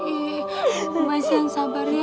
ibu menik yang sabar ya